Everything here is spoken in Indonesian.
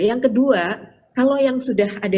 yang kedua kalau yang sudah ada